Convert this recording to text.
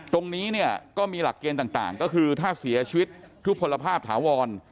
ตรงนี้เนี่ยก็มีหลักเกณฑ์ต่างก็คือถ้าเสียชีวิตทุกพลภาพถาวร